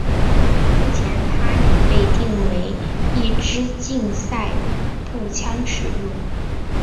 目前它已被定位为一枝竞赛步枪使用。